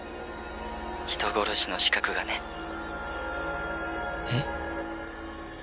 「人殺しの資格がね」え？